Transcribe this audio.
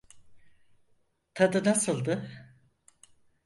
Tadı nasıldı?